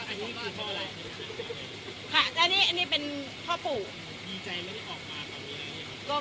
อันนี้มาเพราะอะไรค่ะอันนี้อันนี้เป็นพ่อปู่ดีใจไม่ได้ออกมาตอนนี้